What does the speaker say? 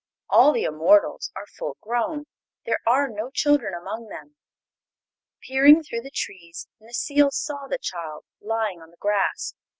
All the immortals are full grown; there are no children among them. Peering through the trees Necile saw the child lying on the grass.